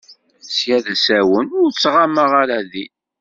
Sya d asawen ur ttɣamaɣ ara din.